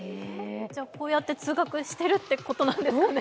こうやって通学してるってことですかね。